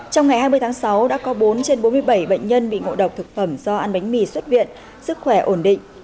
trong ngày hai mươi tháng sáu đã có bốn trên bốn mươi bảy bệnh nhân bị ngộ độc thực phẩm do ăn bánh mì xuất viện sức khỏe ổn định